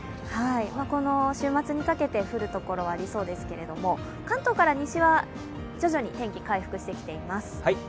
この週末にかけて降る所はありそうですけど、関東から西は徐々に天気、回復してきています。